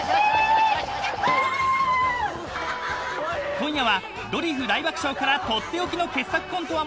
［今夜は『ドリフ大爆笑』から取って置きの傑作コントはもちろんのこと